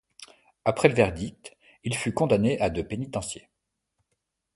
Après le verdict, Il fut condamné à de pénitencier.